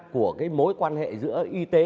của cái mối quan hệ giữa y tế